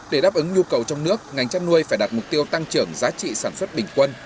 để đáp ứng nhu cầu trong nước ngành chăn nuôi phải đạt mục tiêu tăng trưởng giá trị sản xuất bình quân